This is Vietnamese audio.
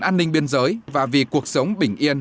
an ninh biên giới và vì cuộc sống bình yên